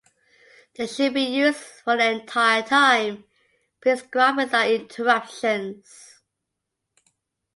They should be used for the entire time prescribed without interruptions.